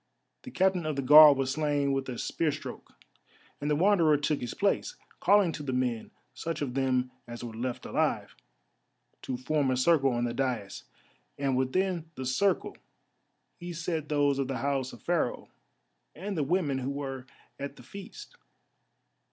The Captain of the Guard was slain with a spear stroke, and the Wanderer took his place, calling to the men, such of them as were left alive, to form a circle on the daïs, and within the circle he set those of the house of Pharaoh and the women who were at the feast.